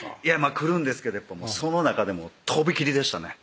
来るんですけどその中でもとびきりでしたね